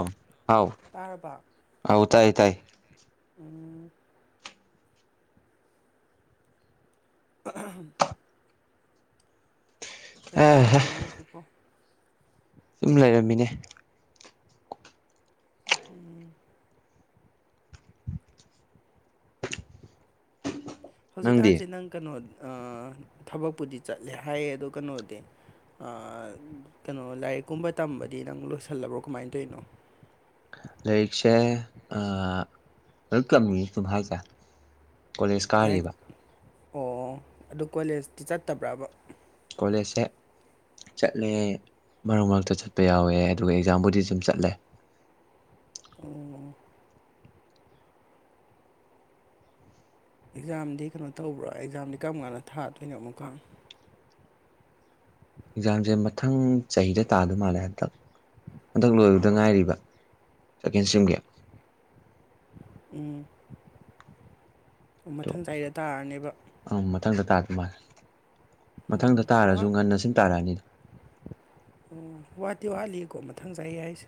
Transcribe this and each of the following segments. ꯑꯣ ꯑꯥꯎ ꯇꯥꯔꯕ ꯑꯣꯎ ꯇꯥꯌꯦ ꯇꯥꯌꯦ ꯎꯝ ꯑꯍꯝ ꯀꯩ ꯑꯦꯍꯦ ꯇꯧꯔꯝꯃꯤꯅꯣ ꯍꯧꯖꯤꯛꯄꯣ ꯁꯨꯝ ꯂꯩꯔꯝꯃꯤꯅꯦ ꯎꯝ ꯅꯪꯗꯤ ꯍꯧꯖꯤꯛꯀꯥꯟꯁꯦ ꯅꯪ ꯀꯩꯅꯣ ꯊꯕꯛꯄꯨꯗꯤ ꯆꯠꯂꯦ ꯍꯥꯏꯌꯦ ꯑꯗꯣ ꯀꯩꯅꯣꯗꯤ ꯑꯥ ꯀꯩꯅꯣ ꯂꯥꯏꯔꯤꯛꯀꯨꯝꯕ ꯇꯝꯕꯗꯤ ꯅꯪ ꯂꯣꯏꯁꯜꯂꯕ꯭ꯔꯣ ꯀꯃꯥꯏꯟ ꯇꯧꯋꯤꯅꯣ ꯂꯥꯏꯔꯤꯛꯁꯦ ꯑꯥ ꯑꯗꯨꯝ ꯇꯝꯃꯤ ꯑꯗꯨꯝ ꯍꯥꯏꯁꯦ ꯀꯣꯂꯦꯖ ꯂꯥꯏꯛ ꯀꯥꯔꯤꯕ ꯑꯣ ꯑꯗꯨ ꯀꯣꯂꯦꯖꯇꯤ ꯆꯠꯇꯕ꯭ꯔꯕ ꯀꯣꯂꯦꯖꯁꯦ ꯆꯠꯂꯦ ꯃꯔꯛ ꯃꯔꯛꯇ ꯆꯠꯄ ꯌꯥꯎꯋꯦ ꯑꯗꯨꯒ ꯑꯦꯛꯖꯥꯝꯕꯨꯗꯤ ꯁꯨꯝ ꯆꯠꯂꯦ ꯎꯝ ꯑꯦꯛꯖꯥꯝꯗꯤ ꯀꯩꯅꯣ ꯇꯧꯕ꯭ꯔꯣ ꯑꯦꯛꯖꯥꯝꯗꯤ ꯀꯔꯝ ꯀꯥꯟꯗ ꯊꯥꯗꯣꯏꯅꯣ ꯑꯃꯨꯛꯀ ꯑꯦꯛꯖꯥꯝꯖꯦ ꯃꯊꯪ ꯆꯍꯤꯗ ꯇꯗꯧ ꯃꯥꯜꯂꯦ ꯍꯟꯗꯛ ꯍꯟꯗꯛ ꯂꯣꯏꯕꯗ ꯉꯥꯏꯔꯤꯕ ꯁꯦꯀꯦꯟ ꯁꯦꯝꯒꯤ ꯎꯝ ꯑꯗꯣ ꯃꯊꯪ ꯆꯩꯗ ꯇꯥꯔꯅꯦꯕ ꯑꯪ ꯃꯊꯪꯗ ꯇꯗꯨ ꯃꯥꯜꯂꯦ ꯃꯊꯪꯗ ꯎꯝ ꯋꯥ ꯇꯥꯔꯁꯨ ꯉꯟꯅ ꯁꯨꯝ ꯇꯥꯔꯛꯑꯅꯤꯗ ꯑꯣ ꯋꯥꯠꯇꯤ ꯋꯥꯠꯂꯤꯀꯣ ꯃꯊꯪ ꯆꯍꯤ ꯍꯥꯏꯁꯦ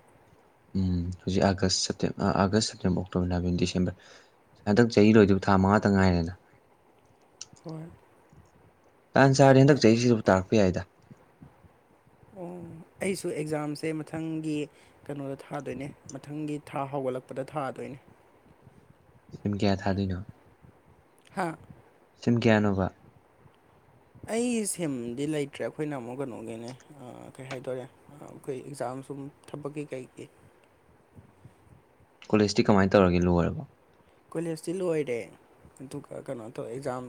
ꯎꯝ ꯍꯧꯖꯤꯛ ꯑꯥꯒꯁ ꯁꯦꯞꯇꯦꯝ ꯑꯥ August September October November December ꯍꯟꯗꯛ ꯆꯍꯤ ꯂꯣꯏꯗꯨꯕ ꯊꯥ ꯃꯉꯥꯇꯪ ꯉꯥꯏꯔꯦꯅ ꯍꯣꯏ ꯇꯟ ꯆꯔꯗꯤ ꯍꯟꯗꯛ ꯆꯍꯤꯖꯤꯗꯕꯨ ꯇꯥꯔꯛꯄ ꯌꯥꯏꯗ ꯑꯣ ꯑꯩꯁꯨ ꯑꯦꯛꯖꯥꯝꯁꯦ ꯃꯊꯪꯒꯤ ꯀꯩꯅꯣꯗ ꯊꯗꯣꯏꯅꯦ ꯃꯊꯪꯒꯤ ꯊꯥ ꯍꯧꯒꯠꯂꯛꯄꯗ ꯊꯗꯣꯏꯅꯦ ꯁꯤꯝ ꯀꯌꯥ ꯊꯗꯣꯏꯅꯣ ꯍꯥꯥ ꯁꯤꯝ ꯀ꯭ꯌꯥꯅꯣꯕ ꯑꯩ ꯁꯤꯝꯗꯤ ꯂꯩꯇ꯭ꯔꯦ ꯑꯈꯣꯏꯅ ꯑꯃꯨꯛ ꯀꯩꯅꯣꯒꯤꯅꯦ ꯀꯩ ꯍꯥꯏꯗꯣꯔꯦ ꯑꯥ ꯑꯈꯣꯏ ꯑꯦꯛꯖꯥꯝ ꯁꯨꯝ ꯊꯕꯛꯀꯤ ꯀꯩꯒꯤ ꯀꯣꯂꯦꯖꯇꯤ ꯀꯃꯥꯏꯟ ꯇꯧꯔꯒꯦ ꯂꯣꯏꯔꯕꯣ ꯀꯣꯂꯦꯖꯇꯤ ꯂꯣꯏꯔꯦ ꯑꯗꯨꯒ ꯀꯩꯅꯣ ꯇꯧꯋꯦ ꯑꯦꯛꯖꯥꯝ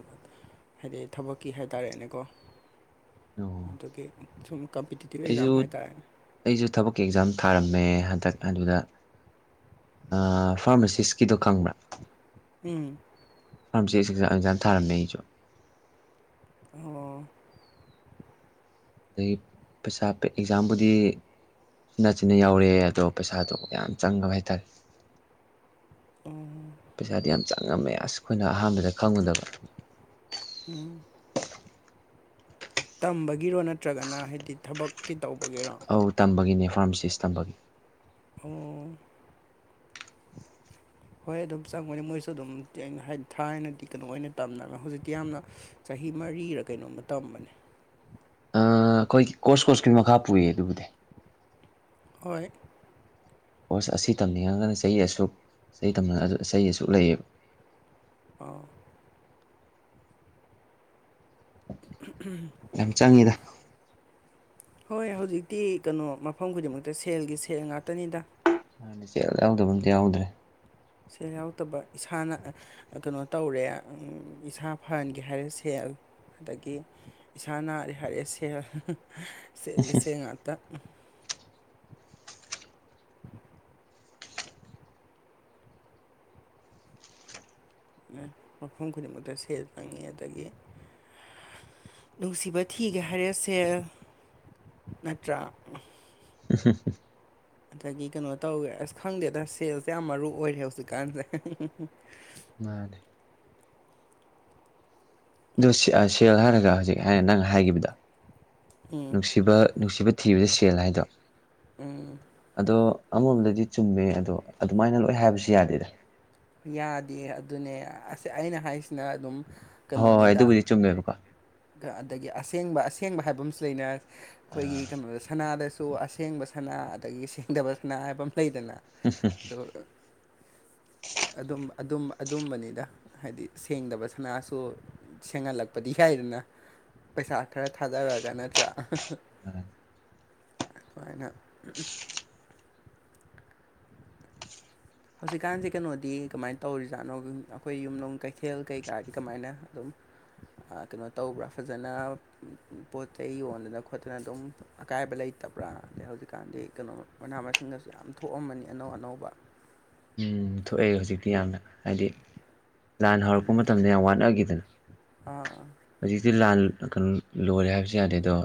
ꯍꯥꯏꯗꯤ ꯊꯕꯛꯀꯤ ꯍꯥꯏꯇꯔꯦꯅꯦꯀꯣ ꯑꯣ ꯑꯗꯨꯒꯤ ꯁꯨꯝ ꯀꯝꯄꯤꯇꯤꯇꯤꯞ ꯑꯦꯛꯖꯥꯝ ꯍꯥꯏꯇꯔꯦꯅꯦ ꯑꯩꯖꯨ ꯊꯕꯛꯀꯤ ꯑꯦꯛꯖꯥꯝ ꯊꯥꯔꯝꯃꯦ ꯍꯟꯇꯛ ꯑꯗꯨꯗ ꯑꯥ ꯐꯥꯔꯃꯁꯤꯁꯀꯤꯗꯣ ꯈꯪꯕ꯭ꯔ ꯎꯝ ꯐꯥꯔꯃꯁꯤꯁ ꯑꯦꯁ ꯑꯦꯛꯖꯥꯝ ꯊꯥꯔꯝꯃꯦ ꯑꯩꯖꯨ ꯑꯣ ꯍꯧꯖꯤꯛ ꯄꯩꯁꯥ ꯄꯦ ꯑꯦꯛꯖꯥꯝꯕꯨꯗꯤ ꯅꯆꯤꯟꯅ ꯌꯥꯎꯔꯛꯑꯦ ꯑꯗꯣ ꯄꯩꯁꯥꯗꯣ ꯌꯥꯝ ꯆꯪꯉꯕ ꯍꯥꯏꯇꯔꯦ ꯑꯣ ꯄꯩꯁꯥꯗꯤ ꯌꯥꯝ ꯆꯪꯉꯝꯃꯦ ꯑꯁ ꯑꯈꯣꯏꯅ ꯑꯍꯥꯟꯕꯗ ꯈꯪꯉꯨꯗꯕ ꯎꯝ ꯇꯝꯕꯒꯤꯔꯣ ꯅꯠꯇ꯭ꯔꯒꯅ ꯍꯥꯏꯗꯤ ꯊꯕꯛꯀꯤ ꯇꯧꯕꯒꯤꯔꯣ ꯑꯧ ꯇꯝꯕꯒꯤꯅꯦ ꯐꯥꯔꯃꯁꯤꯁ ꯇꯝꯕꯒꯤ ꯎꯝ ꯍꯣꯏ ꯑꯗꯨꯝ ꯆꯪꯉꯣꯌꯨ ꯃꯣꯏꯁꯨ ꯑꯗꯨꯝ [unintelligible] ꯍꯥꯏꯗꯤ ꯊꯥꯏꯅꯗꯤ ꯀꯩꯅꯣ ꯑꯣꯏꯅ ꯇꯝꯅꯕ ꯍꯧꯖꯤꯛꯇꯤ ꯌꯥꯝꯅ ꯆꯍꯤ ꯃꯔꯤꯔ ꯀꯩꯅꯣꯝꯃ ꯇꯝꯕꯅꯤ ꯑꯥ ꯑꯈꯣꯏ ꯀꯣꯔꯁ ꯀꯣꯔꯁꯀꯤ ꯃꯈꯥ ꯄꯨꯏ ꯑꯗꯨꯕꯨꯗꯤ ꯍꯣꯏ ꯀꯣꯔꯁ ꯑꯁꯤ ꯇꯝꯅꯤꯡꯉꯒꯅ ꯆꯍꯤ ꯑꯁꯨꯛ [unintelligible] ꯇꯅꯤꯡꯉꯒꯅ ꯆꯍꯤ ꯑꯁꯨꯛ ꯂꯩꯌꯦꯕ ꯑꯥꯎ ꯌꯥꯝ ꯆꯪꯉꯤꯗ [unintelligible] ꯍꯣꯏ ꯍꯧꯖꯤꯛꯇꯤ ꯀꯅꯣ ꯃꯐꯝ ꯈꯨꯗꯤꯡꯃꯛꯇ ꯁꯦꯜꯒꯤ ꯁꯦꯜ ꯉꯥꯛꯇꯅꯤꯗ ꯁꯦꯜ ꯌꯥꯎꯗꯕ ꯑꯝꯇ ꯌꯥꯎꯗ꯭ꯔꯦ ꯁꯦꯜ ꯌꯥꯎꯇꯕ ꯏꯁꯥꯅ ꯀꯅꯣ ꯇꯧꯔꯦ ꯏꯁꯥ ꯐꯍꯟꯒꯦ ꯍꯥꯏꯔꯦ ꯁꯦꯜ ꯑꯗꯒꯤ ꯏꯁꯥ ꯅꯥꯔꯦ ꯍꯥꯏꯔꯦ ꯁꯦꯜ [unintelligible] ꯁꯦꯜꯒꯤ ꯁꯦꯜ ꯉꯥꯛꯇ ꯃꯐꯝ ꯈꯨꯗꯤꯡꯃꯛꯇ ꯁꯦꯜ ꯆꯪꯉꯤ ꯑꯗꯒꯤ ꯅꯨꯡꯁꯤꯕ ꯊꯤꯒꯦ ꯍꯥꯏꯔꯦ ꯁꯦꯜ ꯅꯠꯇ꯭ꯔꯥ [unintelligible] ꯑꯗꯒꯤ ꯀꯩꯅꯣ ꯇꯧꯋꯦ ꯑꯁ ꯈꯪꯗꯦꯗ ꯁꯦꯜꯁꯦ ꯌꯥꯝ ꯃꯔꯨ ꯑꯣꯏꯔꯦ ꯍꯧꯖꯤꯛꯀꯥꯟꯁꯦ [unintelligible] ꯃꯥꯅꯤ ꯑꯗꯨ ꯁꯦꯜ ꯍꯥꯏꯔꯒ ꯍꯧꯖꯤꯛ ꯍꯥꯏ ꯅꯪ ꯍꯥꯏꯒꯤꯕꯗꯣ ꯎꯝ ꯅꯨꯡꯁꯤꯕ ꯅꯨꯡꯁꯤꯕ ꯊꯤꯕꯗ ꯁꯦꯜ ꯍꯥꯏꯗꯣ ꯎꯝ ꯑꯗꯣ ꯑꯃꯔꯣꯝꯗꯗꯤ ꯆꯨꯝꯃꯦ ꯑꯗꯣ ꯑꯗꯨꯃꯥꯏꯅ ꯂꯣꯏ ꯍꯥꯏꯕꯁꯨ ꯌꯥꯗꯦꯗ ꯌꯥꯗꯦ ꯑꯗꯨꯅꯦ ꯑꯁ ꯑꯩꯅ ꯍꯥꯏꯁꯤꯅ ꯑꯗꯨꯝ ꯍꯣꯏ ꯍꯣꯏ ꯀꯅꯣꯅꯤꯗ ꯑꯗꯨꯕꯨꯗꯤ ꯆꯨꯝꯃꯦꯕꯀꯣ ꯑꯗꯒꯤ ꯑꯁꯦꯡꯕ ꯑꯁꯦꯡꯕ ꯍꯥꯏꯕꯝꯁꯨ ꯂꯩꯅ ꯑꯈꯣꯏꯒꯤ ꯀꯅꯣꯗ ꯁꯅꯥꯗꯁꯨ ꯑꯁꯦꯡꯕ ꯁꯅꯥ ꯑꯗꯒꯤ ꯁꯦꯡꯗꯕ ꯁꯅꯥ ꯍꯥꯏꯕꯃ ꯂꯩꯗꯅ [unintelligible] ꯑꯗꯣ [unintelligible] ꯑꯗꯨꯝ ꯑꯗꯨꯝ ꯑꯗꯨꯝꯕꯅꯤꯗ ꯍꯥꯏꯗꯤ ꯁꯦꯡꯗꯕ ꯁꯅꯥꯁꯨ ꯁꯦꯡꯍꯜꯂꯛꯄꯗꯤ ꯌꯥꯏꯗꯅ ꯄꯩꯁꯥ ꯈꯔ ꯊꯥꯗꯔꯛꯒ ꯅꯠꯇ꯭ꯔꯥ [unintelligible] [unintelligible] ꯑꯗꯨꯃꯥꯏꯅ ꯍꯧꯖꯤꯛꯀꯥꯟꯖꯦ ꯀꯅꯣꯗꯤ ꯀꯃꯥꯏꯅ ꯇꯧꯔꯤꯖꯥꯠꯅꯣ ꯑꯩꯈꯣꯏ ꯌꯨꯝꯂꯣꯡ ꯀꯩꯊꯦꯜ ꯀꯩꯀꯥꯗꯤ ꯀꯃꯥꯏꯅ ꯑꯗꯨꯝ ꯑꯥ ꯀꯅꯣ ꯇꯧꯕ꯭ꯔꯥ ꯐꯖꯅ ꯄꯣꯠ ꯆꯩ ꯌꯣꯟꯗꯅ ꯈꯣꯠꯇꯅ ꯑꯗꯨꯝ ꯑꯀꯥꯏꯕ ꯂꯩꯇꯕ꯭ꯔꯥ ꯑꯗꯩ ꯍꯧꯖꯤꯛꯀꯥꯟꯗꯤ ꯀꯅꯣ ꯃꯅꯥ ꯃꯁꯤꯡꯗꯁꯨ ꯌꯥꯝ ꯊꯣꯛꯑꯝꯃꯅꯤ ꯑꯅꯧ ꯑꯅꯧꯕ ꯎꯝ ꯊꯣꯛꯑꯦ ꯍꯧꯖꯤꯛꯇꯤ ꯌꯥꯝꯅ ꯍꯥꯏꯗꯤ ꯂꯥꯟ ꯍꯧꯔꯛꯄ ꯃꯇꯝꯗ ꯌꯥꯝ ꯋꯥꯟꯅꯒꯤꯗꯅ ꯑꯥ ꯍꯧꯖꯤꯛꯇꯤ ꯂꯥꯟ ꯀꯅꯣ ꯂꯣꯏꯔꯦ ꯍꯥꯏꯕꯁꯨ ꯌꯥꯗꯦꯗꯣ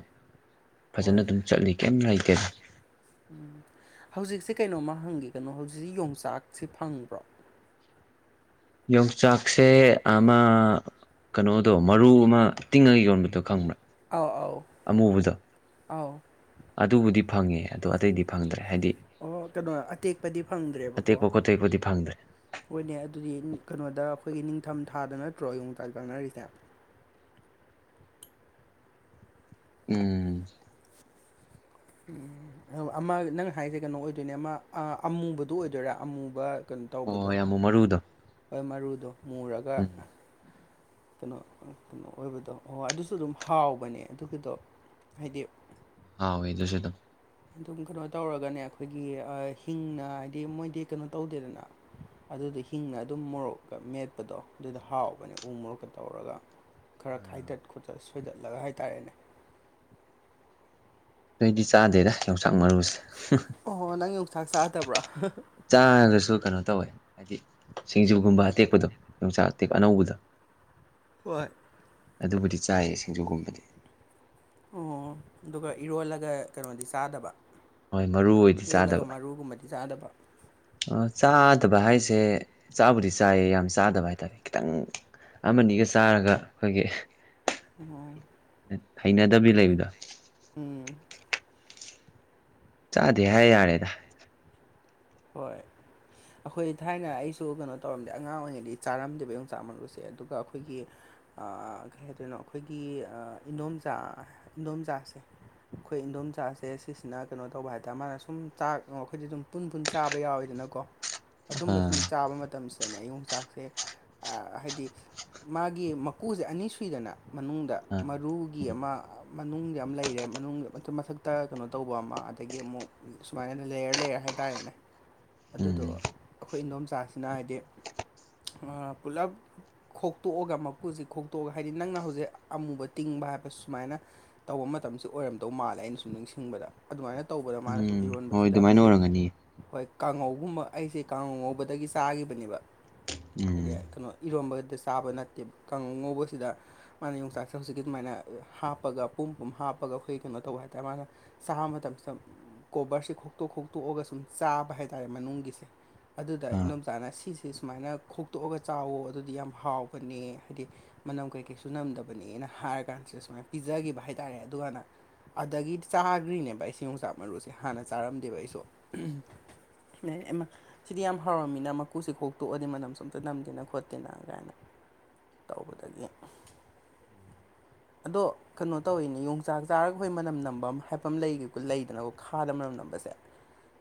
ꯍꯣꯏ ꯐꯖꯅ ꯑꯗꯨꯝ ꯆꯠꯂꯤ ꯀꯩꯝ ꯂꯩꯇꯦ ꯎꯝ ꯍꯧꯖꯤꯛꯁꯦ ꯀꯩꯅꯣꯝꯃ ꯍꯪꯒꯦ ꯀꯅꯣ ꯍꯧꯖꯤꯛ ꯌꯣꯡꯆꯥꯛꯁꯤ ꯐꯪꯕ꯭ꯔꯣ ꯌꯣꯡꯆꯥꯛꯁꯦ ꯑꯃ ꯀꯅꯣꯗꯣ ꯃꯔꯨ ꯑꯃ ꯇꯤꯡꯉꯒ ꯌꯣꯟꯕꯗ ꯑꯥꯎ ꯑꯥꯎ ꯑꯥꯎ ꯑꯗꯨꯕꯨꯗꯤ ꯐꯪꯉꯦ ꯑꯗꯣ ꯑꯇꯩꯗꯤ ꯐꯪꯗ꯭ꯔꯦ ꯍꯥꯏꯗꯤ ꯑꯣ ꯀꯅꯣ ꯑꯇꯦꯛꯄꯗꯤ ꯐꯪꯗ꯭ꯔꯦꯕꯀꯣ ꯑꯇꯦꯛꯄ ꯈꯣꯠꯇꯦꯛꯄꯗꯤ ꯐꯪꯗ꯭ꯔꯦ ꯍꯣꯏꯅꯦ ꯑꯗꯨꯗꯤ ꯀꯩꯅꯣꯗ ꯑꯩꯈꯣꯏꯒꯤ ꯅꯤꯡꯊꯝ ꯊꯥꯗ ꯅꯠꯇ꯭ꯔꯣ ꯌꯣꯡꯆꯥꯛ ꯆꯥꯅꯔꯤꯁꯦ ꯎꯝ ꯎꯝ ꯑꯃ ꯅꯪ ꯍꯥꯏꯁꯦ ꯀꯩꯅꯣ ꯑꯣꯏꯗꯣꯏꯅꯦ ꯑꯃ ꯑꯃꯨꯕꯗꯨ ꯑꯣꯏꯗꯣꯏꯔꯥ ꯑꯃꯨꯕ ꯀꯩꯅꯣ ꯍꯣꯏ ꯇꯧꯕꯗꯣ ꯍꯣꯏ ꯌꯥꯝꯃꯨ ꯃꯔꯨꯗꯣ ꯍꯣꯏ ꯃꯔꯨꯗꯣ ꯃꯨꯔꯒ ꯎꯝ ꯀꯩꯅꯣ ꯀꯩꯅꯣ ꯑꯣꯏꯕꯗꯣ ꯍꯣꯏ ꯑꯗꯨꯁꯨ ꯑꯗꯨꯝ ꯍꯥꯎꯕꯅꯦ ꯑꯗꯨꯒꯤꯗꯣ ꯍꯥꯏꯗꯤ ꯍꯥꯎꯋꯦ ꯑꯗꯨꯁꯨ ꯑꯗꯨ ꯑꯗꯨꯝ ꯀꯩꯅꯣ ꯇꯧꯔꯒꯅꯦ ꯑꯩꯈꯣꯏꯒꯤ ꯍꯤꯡꯅ ꯍꯥꯏꯗꯤ ꯃꯣꯏꯗꯤ ꯀꯩꯅꯣ ꯇꯧꯗꯦꯗꯅ ꯑꯗꯨꯗ ꯍꯤꯡꯅ ꯑꯗꯨꯝ ꯃꯣꯔꯣꯛꯀ ꯃꯦꯠꯄꯗꯣ ꯑꯗꯨꯗ ꯍꯥꯎꯕꯅꯦ ꯎ ꯃꯣꯔꯣꯛꯀ ꯇꯧꯔꯒ ꯈꯔ ꯈꯥꯏꯗꯠ ꯈꯣꯠꯇꯠ ꯁꯣꯏꯗꯠꯂꯒ ꯍꯥꯏꯇꯥꯔꯦꯅꯦ ꯅꯣꯏꯗꯤ ꯆꯥꯗꯦꯗꯥ ꯌꯣꯡꯆꯥꯛ ꯃꯔꯨꯁꯦ ꯑꯣ ꯅꯪ ꯌꯣꯡꯆꯥꯛ ꯆꯥꯗꯕ꯭ꯔꯣ ꯆꯥꯔꯒꯁꯨ ꯀꯩꯅꯣ ꯇꯧꯋꯦ ꯍꯥꯏꯗꯤ ꯁꯤꯡꯖꯨꯒꯨꯝꯕ ꯑꯇꯦꯛꯄꯗꯣ ꯌꯣꯡꯆꯥꯛ ꯑꯇꯦꯛ ꯑꯅꯧꯕꯗ ꯍꯣꯏ ꯑꯗꯨꯕꯨꯗꯤ ꯆꯥꯏꯌꯦ ꯁꯤꯡꯖꯨꯒꯨꯝꯕꯗꯤ ꯑꯣ ꯑꯗꯨꯒ ꯏꯔꯣꯜꯂꯒ ꯀꯩꯅꯣꯗꯤ ꯆꯥꯗꯕ ꯍꯣꯏ ꯃꯔꯨ ꯑꯣꯏꯗꯤ ꯏꯔꯣꯜꯂꯒꯥ ꯆꯥꯗꯕ ꯃꯔꯨꯒꯨꯝꯕꯗꯤ ꯆꯥꯗꯕ ꯆꯥꯗꯕ ꯍꯥꯏꯁꯦ ꯆꯥꯕꯨꯗꯤ ꯆꯥꯏꯌꯦ ꯌꯥꯝ ꯆꯥꯗꯕ ꯍꯥꯏꯇꯥꯔꯦ ꯈꯤꯇꯪ ꯑꯃꯅꯤꯒ ꯆꯥꯔꯒ ꯑꯩꯈꯣꯏꯒꯤ ꯑꯣ ꯍꯩꯅꯗꯕꯤ ꯂꯩꯕꯗꯣ ꯎꯝ ꯆꯥꯗꯦ ꯍꯥꯏ ꯌꯥꯔꯦꯗ ꯍꯣꯏ ꯑꯩꯈꯣꯏ ꯊꯥꯏꯅ ꯑꯩꯁꯨ ꯀꯩꯅꯣ ꯇꯧꯔꯝꯗꯦ ꯑꯉꯥꯡ ꯑꯣꯏꯔꯤꯉꯩꯗꯤ ꯆꯥꯔꯝꯗꯦꯕ ꯌꯣꯡꯆꯥꯛ ꯃꯔꯨꯁꯦ ꯑꯗꯨꯒ ꯑꯩꯈꯣꯏꯒꯤ ꯀꯩ ꯍꯥꯏꯗꯣꯏꯅꯣ ꯑꯩꯈꯣꯏꯒꯤ ꯏꯗꯣꯝꯆꯥ ꯏꯗꯣꯝꯆꯥꯥꯁꯦ ꯑꯩꯈꯣꯏ ꯏꯟꯗꯣꯝꯆꯥꯁꯦ ꯁꯤꯁꯤꯅ ꯀꯩꯅꯣ ꯇꯧꯕ ꯍꯥꯏꯇꯥꯥꯔꯦ ꯃꯥꯅ ꯁꯨꯝ ꯆꯥꯛ ꯑꯩꯈꯣꯏꯗꯤ ꯑꯗꯨꯝ ꯄꯨꯟ ꯄꯨꯟ ꯆꯥꯕ ꯌꯥꯎꯋꯤꯗꯅꯀꯣ ꯑꯗꯨꯝꯕ ꯁꯨꯝ ꯑꯥ ꯆꯥꯕ ꯃꯇꯝꯁꯦ ꯗꯅꯦ ꯑꯩꯌꯣꯡꯆꯥꯛꯁꯦ ꯍꯥꯏꯗꯤ ꯃꯥꯒꯤ ꯃꯀꯨꯁꯦ ꯑꯅꯤ ꯁꯨꯏꯗꯅ ꯃꯅꯨꯡꯗ ꯑꯥ ꯃꯔꯨꯒꯤ ꯎꯝ ꯑꯃ ꯃꯅꯨꯡꯗ ꯑꯝ ꯂꯩꯔꯦ ꯃꯅꯨꯡꯗ ꯃ ꯃꯊꯛꯇ ꯀꯩꯅꯣ ꯇꯧꯕ ꯑꯃ ꯑꯗꯒꯤ ꯑꯃꯨꯛ ꯁꯨꯃꯥꯏꯅ ꯂꯦꯌꯔ ꯂꯩꯔ ꯍꯥꯏꯇꯥꯔꯦꯅꯦ ꯎꯝ ꯑꯗꯨꯗꯣ ꯑꯩꯈꯣꯏ ꯏꯗꯣꯝꯆꯥꯁꯤꯅ ꯍꯥꯏꯗꯤ ꯄꯨꯂꯞ ꯈꯣꯛꯇꯣꯛꯑꯒ ꯃꯀꯨꯁꯤ ꯈꯣꯛꯇꯣꯛꯑꯒ ꯍꯥꯏꯗꯤ ꯅꯪꯅ ꯍꯧꯖꯤꯛ ꯑꯃꯨꯕ ꯇꯤꯡꯕ ꯍꯥꯏꯕ ꯁꯨꯃꯥꯏꯅ ꯇꯧꯕ ꯃꯇꯝꯁꯤ ꯑꯣꯏꯔꯝꯗꯧ ꯃꯥꯜꯂꯦ ꯑꯩꯅ ꯁꯨꯝ ꯅꯤꯡꯁꯤꯡꯕꯗ ꯑꯗꯨꯃꯥꯏꯅ ꯇꯧꯕꯗ ꯃꯥꯅ ꯁꯨꯝ ꯎꯝ ꯍꯣꯏ ꯏꯔꯣꯟꯕꯁꯤꯗ ꯑꯗꯨꯃꯥꯏꯅ ꯑꯩꯈꯣꯏꯒꯤ ꯑꯣꯏꯔꯝꯒꯅꯤ ꯍꯣꯏ ꯀꯥꯡꯉꯧꯒꯨꯝꯕ ꯑꯩꯁꯦ ꯀꯥꯡꯉꯧ ꯉꯧꯕꯗꯒꯤ ꯆꯥꯒꯤꯈꯤꯕꯅꯦꯕ ꯍꯥꯏꯗꯤ ꯎꯝ ꯀꯩꯅꯣ ꯏꯔꯣꯟꯕꯗ ꯆꯥꯕ ꯅꯠꯇꯦꯕ ꯀꯥꯡꯉꯧ ꯉꯧꯕꯁꯤꯗ ꯃꯥꯅ ꯌꯣꯡꯆꯥꯛꯁꯦ ꯍꯧꯖꯤꯛꯀꯤ ꯑꯗꯨꯃꯥꯏꯅ ꯍꯥꯞꯄꯒ ꯄꯨꯝ ꯄꯨꯝ ꯍꯥꯞꯄꯒ ꯑꯩꯈꯣꯏ ꯀꯩꯅꯣ ꯇꯧꯕ ꯍꯥꯏꯇꯥꯔꯦ ꯃꯥꯅ ꯆꯥꯕ ꯃꯇꯝꯁꯤꯗ ꯀꯣꯕꯔꯁꯦ ꯈꯣꯛꯇꯣꯛ ꯈꯣꯛꯇꯣꯛꯑꯒ ꯁꯨꯝ ꯆꯥꯕ ꯍꯥꯏ ꯇꯥꯔꯦ ꯃꯅꯨꯡꯒꯤꯁꯦ ꯑꯗꯨꯗ ꯑꯥ ꯏꯗꯣꯝꯆꯥꯥꯅ ꯁꯤꯁꯦ ꯁꯨꯃꯥꯏꯅ ꯈꯣꯛꯇꯣꯛꯑꯒ ꯆꯥꯎꯋꯣ ꯑꯗꯨꯗꯤ ꯌꯥꯝ ꯍꯥꯎꯕꯅꯦ ꯍꯥꯏꯗꯤ ꯃꯅꯝ ꯀꯩꯀꯩꯁꯨ ꯅꯝꯗꯕꯅꯦꯅ ꯍꯥꯏꯔ ꯀꯥꯟꯁꯤꯗ ꯁꯨꯃꯥꯏꯅ ꯄꯤꯖꯒꯤꯕ ꯍꯥꯏꯇꯥꯔꯦ ꯑꯗꯨꯒꯥꯟꯅ ꯑꯗꯒꯤ ꯆꯥꯒ꯭ꯔꯤꯅꯦꯕ ꯑꯩꯁꯤ ꯌꯣꯡꯆꯥꯛ ꯃꯔꯨꯁꯦ ꯍꯥꯟꯅ ꯆꯥꯔꯝꯗꯦꯕ ꯑꯩꯁꯨ ꯎꯝ ꯃꯦ ꯑꯦꯃꯥ ꯁꯤꯗꯤ ꯌꯥꯝ ꯍꯥꯎꯔꯝꯃꯤꯅ ꯃꯀꯨꯁꯤ ꯈꯣꯛꯇꯣꯛꯑꯗꯤ ꯃꯅꯝ ꯁꯨꯝ ꯑꯝꯇ ꯅꯝꯗꯦꯅ ꯈꯣꯠꯇꯦꯅ ꯀꯥꯏꯅ ꯇꯧꯕꯗꯒꯤ ꯑꯗꯣ ꯀꯩꯅꯣ ꯇꯧꯋꯤꯅꯤ ꯌꯣꯡꯆꯥꯛ ꯆꯥꯔꯒ ꯑꯈꯣꯏ ꯃꯅꯝ ꯅꯝꯕ ꯍꯥꯏꯄꯝ ꯑꯃ ꯂꯩꯒꯦꯀꯣ ꯂꯩꯗꯅꯀꯣ ꯈꯥꯗꯅ ꯃꯅꯝ ꯅꯝꯕꯁꯦ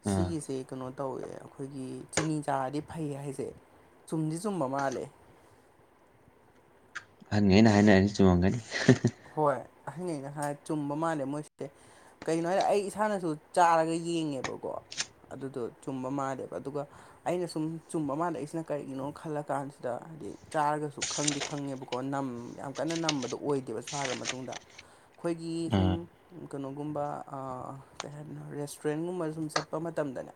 ꯑꯥ ꯁꯤꯒꯤꯁꯤ ꯀꯩꯅꯣ ꯇꯧꯋꯦ ꯈꯣꯏꯒꯤ ꯆꯤꯅꯤ ꯆꯥꯗꯤ ꯐꯩ ꯍꯥꯏꯁꯦ ꯆꯨꯝꯗꯤ ꯆꯨꯝꯕ ꯃꯥꯜꯂꯦ ꯑꯍꯟꯒꯩꯅ ꯍꯥꯏꯅꯔꯗꯤ ꯆꯨꯝꯃꯝꯒꯅꯤ ꯍꯣꯏ ꯑꯍꯟꯒꯩꯅ ꯍꯥꯏ ꯆꯨꯝꯕ ꯃꯥꯜꯂꯦ ꯃꯣꯏꯁꯦ ꯀꯩꯒꯤꯅꯣ ꯍꯥꯏ ꯑꯩ ꯏꯁꯥꯅꯁꯨ ꯆꯥꯔꯒ ꯌꯦꯡꯉꯦꯕꯀꯣ ꯑꯗꯨꯗꯣ ꯆꯨꯝꯕ ꯃꯥꯜꯂꯦꯕ ꯑꯗꯨꯒ ꯑꯩꯅ ꯁꯨꯝ ꯆꯨꯝꯕ ꯃꯥꯟꯂꯛꯢꯁꯤꯅ ꯀꯔꯤꯒꯤꯅꯣ ꯈꯜꯂ ꯀꯥꯟꯁꯤꯗ ꯍꯥꯏꯗꯤ ꯆꯥꯔꯒꯁꯨ ꯈꯪꯗꯤ ꯈꯪꯉꯦꯕꯀꯣ ꯅꯝ ꯌꯥꯝ ꯀꯟꯅ ꯅꯝꯕꯗꯣ ꯑꯣꯏꯗꯦꯕ ꯆꯥꯔ ꯃꯇꯨꯡꯗ ꯈꯣꯏꯒꯤ ꯁꯨꯝ ꯑꯥ ꯀꯩꯅꯣꯒꯨꯝꯕ ꯑꯥ ꯀꯩ ꯍꯥꯏꯗꯣꯢꯅꯣ ꯔꯦꯁꯇꯨꯔꯦꯟꯒꯨꯝꯕ ꯁꯨꯝ ꯆꯠꯄ ꯃꯇꯝꯗꯅꯦ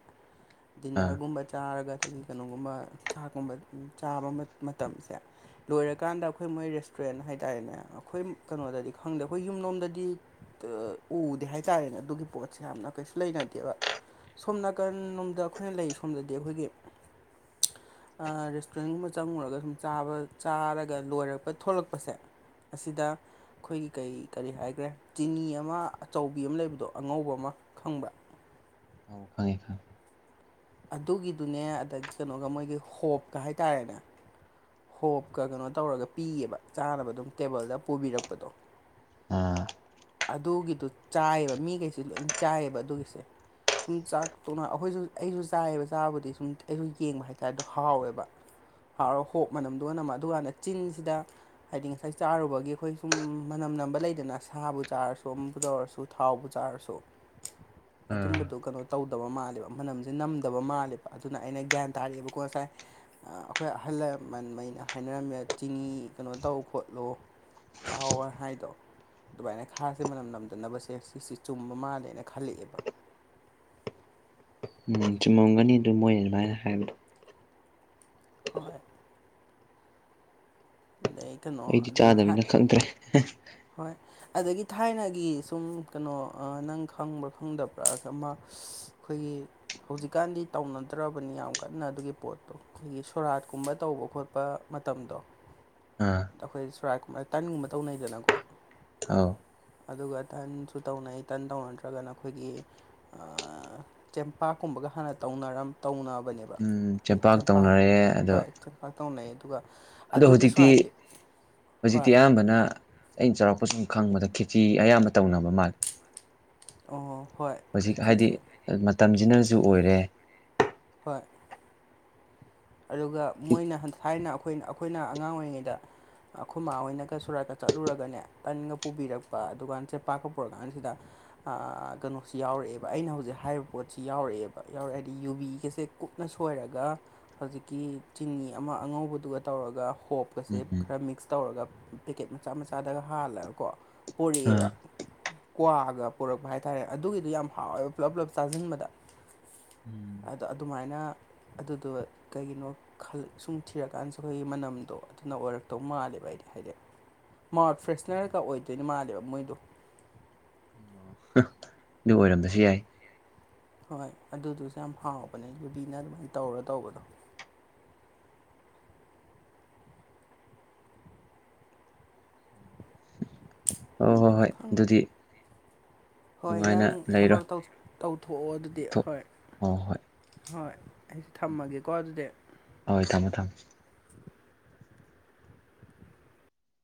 ꯑꯥ ꯗꯤꯟꯅꯔꯒꯨꯝꯕ ꯆꯥꯔꯒ ꯑꯗꯒꯤ ꯀꯩꯅꯣꯒꯨꯝꯕ ꯆꯥꯛꯀꯨꯝꯕ ꯆꯥꯕ ꯃꯠ ꯃꯇꯝꯁꯦ ꯂꯣꯏꯔꯀꯥꯟꯗ ꯑꯩꯈꯣꯏ ꯃꯣꯏ ꯔꯦꯁꯇꯨꯔꯦꯟ ꯍꯥꯏꯇꯥꯔꯦꯅꯦ ꯑꯩꯈꯣꯏ ꯀꯩꯅꯣꯗꯗꯤ ꯈꯪꯗꯦ ꯑꯩꯈꯣꯏ ꯌꯨꯝꯂꯣꯝꯗꯗꯤ ꯑꯥ ꯎꯗꯦ ꯍꯥꯏꯇꯥꯔꯦꯅꯦ ꯑꯗꯨꯒꯤ ꯄꯣꯠꯁꯦ ꯌꯥꯝꯅ ꯀꯩꯁꯨ ꯂꯩꯅꯗꯦꯕ ꯁꯣꯝ ꯅꯥꯀꯟ ꯂꯣꯝꯗ ꯑꯩꯈꯣꯏꯅ ꯂꯩ ꯁꯣꯝꯗꯗꯤ ꯑꯩꯈꯣꯏꯒꯤ ꯑꯥ ꯔꯦꯁꯇꯨꯔꯦꯟꯒꯨꯝꯕ ꯆꯪꯉꯨꯔꯒ ꯁꯨꯝ ꯆꯥꯕ ꯆꯥꯔꯒ ꯂꯣꯏꯔꯛꯄ ꯊꯣꯂꯛꯄꯁꯦ ꯑꯁꯤꯗ ꯈꯣꯏꯒꯤ ꯀꯩ ꯀꯔꯤ ꯍꯥꯏꯒ꯭ꯔꯦ ꯆꯤꯅꯤ ꯑꯃ ꯑꯆꯧꯕꯤ ꯑꯃ ꯂꯩꯕꯗꯣ ꯑꯉꯧꯕ ꯑꯃ ꯈꯪꯕ꯭ꯔ ꯑꯧ ꯈꯪꯉꯦ ꯈꯪꯉꯦ ꯑꯗꯨꯒꯤꯗꯨꯅꯦ ꯑꯗꯒꯤ ꯀꯩꯅꯣꯒ ꯃꯣꯏꯒꯤ ꯍꯣꯞꯀ ꯍꯥꯏꯇꯥꯔꯦꯅꯦ ꯍꯣꯞꯀ ꯀꯩꯅꯣ ꯇꯧꯔꯒ ꯄꯤꯌꯦꯕ ꯆꯥꯅꯕ ꯑꯗꯨꯝ ꯇꯦꯕꯜꯗ ꯄꯨꯕꯤꯔꯛꯄꯗꯣ ꯑꯥ ꯑꯗꯨꯒꯤꯗꯨ ꯆꯥꯏꯕ ꯃꯤꯈꯩꯁꯤ ꯂꯣꯏꯝ ꯆꯥꯏꯕ ꯑꯗꯨꯒꯤꯁꯦ ꯁꯨꯝ ꯆꯥꯛ ꯇꯣꯛꯅ ꯑꯩꯈꯣꯏꯖꯨ ꯑꯩꯖꯨ ꯆꯥꯏꯌꯦꯕ ꯆꯥꯕꯨꯗꯤ ꯁꯨꯝ ꯑꯩꯁꯨ ꯌꯦꯡꯕ ꯍꯥꯏꯇꯥꯔꯦ ꯗꯣ ꯍꯥꯎꯋꯦꯕ ꯐꯥꯎꯔ ꯍꯣꯞ ꯃꯅꯝꯗꯨꯒ ꯅꯝꯃ ꯑꯗꯨꯀꯥꯟꯗ ꯆꯤꯟꯁꯤꯗ ꯍꯥꯏꯗꯤ ꯉꯁꯥꯏ ꯆꯥꯔꯨꯕꯒꯤ ꯑꯩꯈꯣꯏ ꯁꯨꯝ ꯃꯅꯝ ꯅꯝꯕ ꯂꯩꯗꯅ ꯁꯥꯕꯨ ꯆꯥꯔꯁꯨ ꯑꯃꯕꯨ ꯇꯧꯔꯁꯨ ꯊꯥꯎꯕꯨ ꯆꯥꯔꯁꯨ ꯑꯗꯨꯝꯕꯗꯣ ꯑꯥ ꯀꯩꯅꯣ ꯇꯧꯗꯕ ꯃꯥꯜꯂꯦꯕ ꯃꯅꯝꯖꯦ ꯅꯝꯗꯕ ꯃꯥꯜꯂꯦꯕ ꯑꯗꯨꯅ ꯑꯩꯅ ꯒ꯭ꯌꯥꯟ ꯇꯥꯔꯦꯕꯀꯣ ꯉꯁꯥꯏ ꯑꯥ ꯑꯩꯈꯣꯏ ꯑꯍꯜ ꯂꯦ ꯃꯟꯃꯩꯅ ꯍꯥꯏꯅꯔꯝꯃꯦ ꯆꯤꯅꯤ ꯀꯩꯅꯣ ꯇꯧ ꯈꯣꯠꯂꯣ ꯆꯥꯎꯋꯣ ꯍꯥꯏꯗꯣ ꯗꯨꯃꯥꯏꯅ ꯈꯥꯁꯦ ꯃꯅꯝ ꯅꯝꯗꯅꯕꯁꯦ ꯁꯤꯁꯦ ꯆꯨꯝꯕ ꯃꯥꯜꯂꯦꯅ ꯈꯜꯂꯛꯑꯦꯕ ꯎꯝ ꯆꯨꯝꯃꯝꯒꯅꯤ ꯗꯨ ꯃꯣꯏꯅ ꯑꯗꯨꯃꯥꯏꯟ ꯍꯥꯏꯕꯗꯣ ꯍꯣꯏ ꯑꯗꯩ ꯀꯩꯅꯣ ꯑꯗꯩ ꯊꯥꯏ ꯈꯪꯇꯦ ꯍꯦ ꯍꯣꯏ ꯑꯗꯒꯤ ꯊꯥꯏꯅꯒꯤ ꯁꯨꯝ ꯀꯩꯅꯣ ꯑꯥ ꯅꯪ ꯈꯪꯕ꯭ꯔꯥ ꯈꯪꯗꯕ꯭ꯔꯥ ꯑꯃ ꯁꯤ ꯈꯣꯏꯒꯤ ꯍꯧꯖꯤꯛꯀꯥꯟꯗꯤ ꯇꯧꯅꯗ꯭ꯔꯕꯅꯤ ꯌꯥꯝ ꯀꯟꯅ ꯑꯗꯨꯒꯤ ꯄꯣꯠꯇꯣ ꯈꯣꯏꯒꯤ ꯁꯣꯔꯥꯠꯀꯨꯝꯕ ꯇꯧꯕ ꯈꯣꯠꯄ ꯃꯇꯝꯗꯣ ꯑꯥ ꯑꯈꯣꯏ ꯁꯨꯔꯥꯠ ꯀꯨꯝꯕ ꯇꯟꯒꯨꯝꯕ ꯇꯧꯅꯩꯗꯅꯀꯣ ꯑꯥꯎ ꯑꯗꯨꯒ ꯇꯟꯁꯨ ꯇꯧꯅꯩ ꯇꯟ ꯇꯧꯅꯗ꯭ꯔꯒꯅ ꯑꯈꯣꯏꯒꯤ ꯑꯥ ꯆꯦꯡꯄꯥꯛꯀꯨꯝꯕꯒ ꯍꯥꯟꯅ ꯇꯧꯅꯔꯝ ꯇꯧꯅꯕꯅꯦꯕ ꯎꯝ ꯈꯣꯏ ꯆꯦꯡꯄꯥꯛ ꯇꯧꯅꯔꯦ ꯑꯗꯣ ꯍꯣꯏ ꯆꯦꯡꯄꯥꯛ ꯇꯧꯅꯩ ꯑꯗꯨꯒ ꯑꯗꯨꯒꯤ ꯁꯣꯔꯥꯠꯀꯤ ꯍꯣꯏ ꯍꯨꯖꯤꯛꯇꯤ ꯑꯌꯥꯝꯕꯅ ꯑꯩꯅ ꯆꯧꯔꯥꯛꯄ ꯁꯨꯝ ꯈꯪꯕꯗ ꯈꯦꯆꯤ ꯑꯌꯥꯝꯕ ꯇꯧꯅꯕ ꯃꯥꯜꯂꯦ ꯑꯣ ꯍꯣꯏ ꯍꯧꯖꯤꯛ ꯍꯥꯏꯗꯤ ꯈꯦꯆꯤꯁꯦ ꯃꯇꯝꯖꯤꯅꯖꯨ ꯑꯣꯏꯔꯦ ꯍꯣꯏ ꯑꯗꯨꯒ ꯈꯤ- ꯃꯣꯏꯅ ꯍꯟ ꯊꯥꯏꯅ ꯑꯩꯈꯣꯏ ꯑꯩꯈꯣꯏꯅ ꯑꯉꯥꯡ ꯑꯣꯏꯔꯤꯉꯩꯗ ꯑꯈꯣꯏ ꯃꯥꯥ ꯍꯣꯏꯅꯒ ꯁꯨꯔꯥꯠꯀ ꯆꯠꯂꯨꯔꯒꯅꯦ ꯇꯟꯒ ꯄꯨꯕꯤꯔꯛꯄ ꯑꯗꯨꯀꯥꯟ ꯆꯦꯄꯥꯛꯀ ꯄꯨꯔꯀꯥꯟꯁꯤꯗ ꯑꯥ ꯀꯩꯅꯣꯁꯤ ꯌꯥꯎꯔꯛꯑꯦꯕ ꯑꯩꯅ ꯍꯧꯖꯤꯛ ꯍꯥꯏꯔꯤꯕ ꯄꯣꯠꯁꯤ ꯌꯥꯎꯔꯑꯦꯕ ꯌꯥꯎꯔꯛꯑꯦ ꯍꯥꯏꯗꯤ ꯌꯨꯕꯤꯒꯁꯦ ꯀꯨꯞꯅ ꯁꯣꯏꯔꯒ ꯍꯧꯖꯤꯛꯀꯤ ꯆꯤꯅꯤ ꯑꯃ ꯑꯉꯧꯕꯗꯨꯒ ꯇꯧꯔꯒ ꯍꯣꯞꯀꯁꯦ ꯎꯝ ꯈꯔ ꯃꯤꯛꯁ ꯇꯧꯔꯒ ꯄꯦꯀꯦꯠ ꯃꯆꯥ ꯃꯆꯥꯗꯒ ꯍꯥꯜꯂꯒꯀꯣ ꯄꯣꯔꯛꯑꯦꯕ ꯑꯥ ꯀ꯭ꯋꯥꯒ ꯄꯨꯔꯛꯄ ꯍꯥꯏꯇꯥꯔꯦ ꯑꯗꯨꯒꯤꯗꯤ ꯌꯥꯝ ꯍꯥꯎꯋꯦꯕ ꯄꯨꯂꯞ ꯄꯨꯂꯞ ꯆꯥꯖꯤꯟꯕꯗ ꯎꯝ ꯇ ꯑꯗꯨꯃꯥꯏꯅ ꯑꯗꯨꯗꯣ ꯀꯩꯒꯤꯅꯣ ꯈꯜ ꯁꯨꯝ ꯊꯤꯔꯀꯥꯟꯁꯤꯗ ꯑꯩꯈꯣꯏ ꯃꯅꯝꯗꯣ ꯑꯗꯨꯅ ꯑꯣꯏꯔꯛꯇꯧ ꯃꯥꯜꯂꯦꯕ ꯑꯩꯗꯤ ꯍꯥꯏꯗꯤ ꯃꯥꯎꯠ ꯐ꯭ꯔꯦꯁꯅꯔꯒ ꯑꯣꯏꯗꯣꯏꯅ ꯃꯥꯜꯂꯦꯕ ꯃꯣꯏꯗꯣ ꯍꯥ ꯑꯗꯨ ꯑꯣꯏꯔꯝꯕꯁꯨ ꯌꯥꯏ ꯍꯣꯏ ꯑꯗꯨꯗꯨꯁꯨ ꯌꯥꯝ ꯍꯥꯎꯕꯅꯦ ꯌꯨꯕꯤꯅ ꯑꯗꯨꯃꯥꯏꯅ ꯇꯧꯔ ꯇꯧꯕꯗꯣ ꯍꯣ ꯍꯣ ꯍꯣꯏ ꯈꯪꯗꯦ ꯑꯗꯨꯗꯤ ꯍꯣꯏ ꯅꯨꯡꯉꯥꯏꯅ ꯅꯪ ꯂꯩꯔꯣ ꯊꯕꯛ ꯇꯧ ꯇꯧꯊꯣꯛꯑꯣ ꯑꯗꯨꯗꯤ ꯆꯠꯊꯣꯛ ꯍꯣꯏ ꯍꯣꯏ ꯍꯣꯏ ꯎꯝ ꯍꯣꯏ ꯑꯩ ꯊꯝꯃꯒꯦꯀꯣ ꯑꯗꯨꯗꯤ ꯍꯣꯏ ꯊꯝꯃꯣ ꯊꯝ